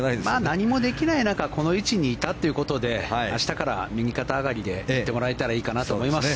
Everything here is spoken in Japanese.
何もできない中この位置にいたということで明日から右肩上がりでいってもらえたらいいかなと思います。